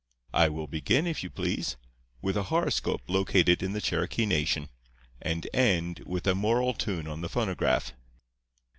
I will begin, if you please, with a horoscope located in the Cherokee Nation; and end with a moral tune on the phonograph.